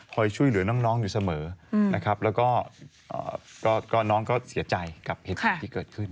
ช่วยเหลือน้องอยู่เสมอนะครับแล้วก็น้องก็เสียใจกับเหตุการณ์ที่เกิดขึ้น